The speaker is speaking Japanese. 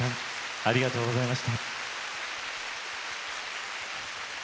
ありがとうございます。